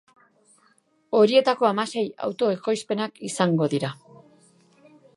Horietako hamasei auto-ekoizpenak izango dira.